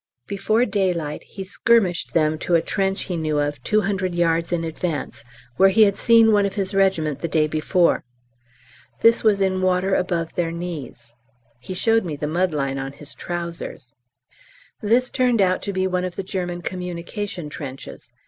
Before daylight he "skirmished" them to a trench he knew of two hundred yards in advance, where he had seen one of his regiment the day before. This was in water above their knees. He showed me the mud line on his trousers. This turned out to be one of the German communication trenches.